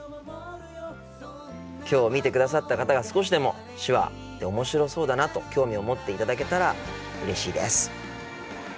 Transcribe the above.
今日見てくださった方が少しでも手話って面白そうだなと興味を持っていただけたらうれしいです。